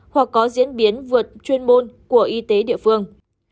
hoặc có diễn biến vượt chuyên môn của y tế địa phương